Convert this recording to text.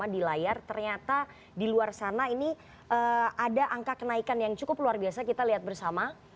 di layar ternyata di luar sana ini ada angka kenaikan yang cukup luar biasa kita lihat bersama